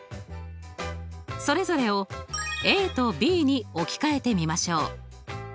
それぞれをＡとＢに置き換えてみましょう。